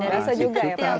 baso juga ya pak